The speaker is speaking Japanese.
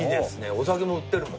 お酒も売ってるもん。